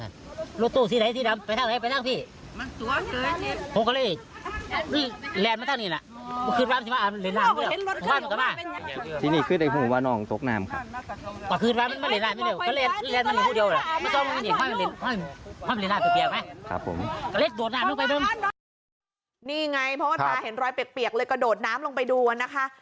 นี่ไงเพราะว่าตาเห็นรอยเปียกเลยกระโดดน้ำลงไปดูนะคะ